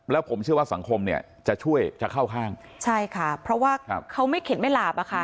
แล้วผมเชื่อว่าสังคมเนี่ยจะช่วยจะเข้าข้างใช่ค่ะเพราะว่าเขาไม่เข็ดไม่หลาบอะค่ะ